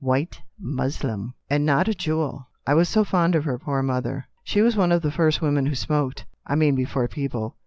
" White muslin, and not a jewel. I was so fond of her poor mother. She was one of the first women who smoked — I mean before people.